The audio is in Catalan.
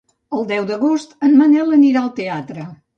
El deu d'agost en Manel anirà al teatre.